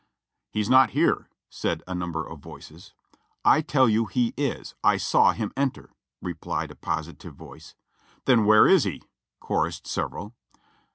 "He's not here," said a number of voices. "I tell you he is, for I saw him enter," replied a positive voice. "Then where is he?" chorused several.